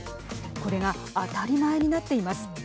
これが当たり前になっています。